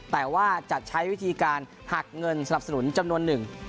แต่ว่าจะใช้วิธีการหักเงินสนับสนุนจำนวนหนึ่ง